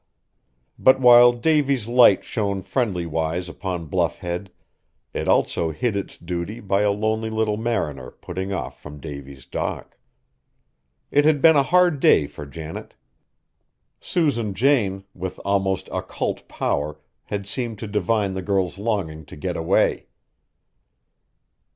But while Davy's Light shone friendly wise upon Bluff Head, it also did its duty by a lonely little mariner putting off from Davy's dock. It had been a hard day for Janet. Susan Jane, with almost occult power, had seemed to divine the girl's longing to get away.